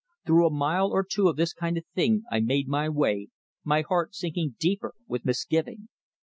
Through a mile or two of this kind of thing I made my way, my heart sinking deeper with misgiving.